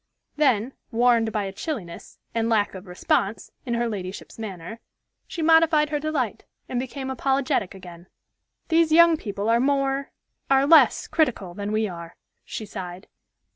Then, warned by a chilliness, and lack of response, in her ladyship's manner, she modified her delight, and became apologetic again. "These young people are more are less critical than we are," she sighed.